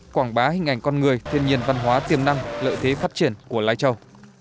quảng bá hình ảnh con người thiên nhiên văn hóa tiềm năng lợi thế phát triển của lai châu